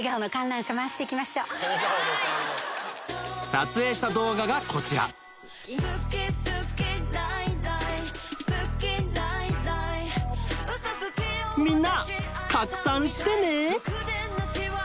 撮影した動画がこちらみんな拡散してね！